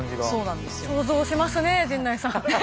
想像しますねえ陣内さん。